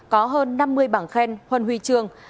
có hơn năm mươi bảng khen huân huy trương